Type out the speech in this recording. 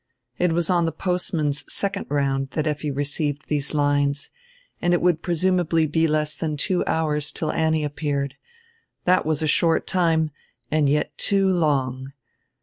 It was on die postman's second round that Effi received these lines and it would presumably be less than two hours till Annie appeared. That was a short time and yet too long.